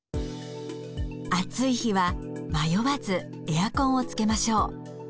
暑い日は迷わずエアコンをつけましょう。